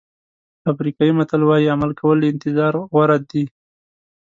افریقایي متل وایي عمل کول له انتظار غوره دي.